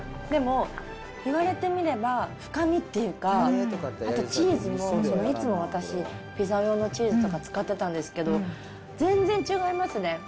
でも、言われてみれば深みっていうか、あとチーズも、いつも私、ピザ用のチーズとか使ってたんですけど、全然違いますね。